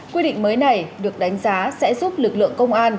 quy định mới này được đánh giá sẽ giúp lực lượng công an